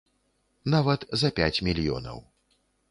Нават за пяць мільёнаў.